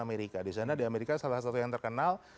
amerika disana di amerika salah satu yang terkenal